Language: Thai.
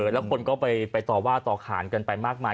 แล้วคนก็ไปต่อว่าต่อขานกันไปมากมาย